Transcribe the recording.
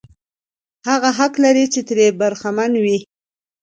هغه حق لري چې ترې برخمن وي.